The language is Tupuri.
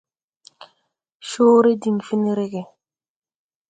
Coore diŋ fen rege.